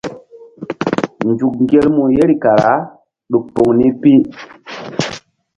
Nzuk ŋgermu yeri kara ɗuk poŋ ni pi.